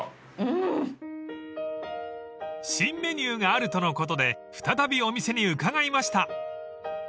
［新メニューがあるとのことで再びお店に伺いました］